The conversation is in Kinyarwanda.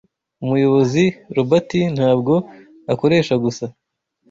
Umuyobozi Robati ntabwo akoresha gusa